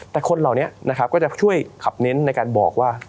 แต่คนเหล่านี้นะครับก็จะช่วยขับเน้นในการบอกว่า